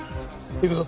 行くぞ。